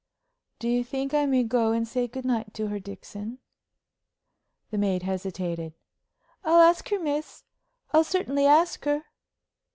"Do you think I may go and say good night to her, Dixon?" The maid hesitated. "I'll ask her, miss I'll certainly ask her."